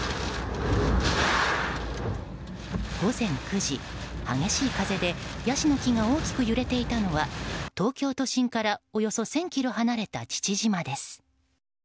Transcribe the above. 午前９時、激しい風でヤシの木が大きく揺れていたのは東京都心からおよそ１０００ｋｍ離れた父島です。